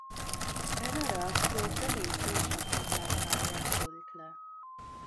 Ez a reakció tömény kénsav hatására játszódik le.